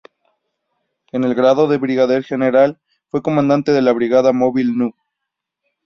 En el grado de Brigadier General, fue Comandante de la Brigada Móvil No.